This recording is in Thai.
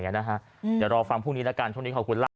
เดี๋ยวรอฟังพรุ่งนี้แล้วกันช่วงนี้ขอบคุณเล่า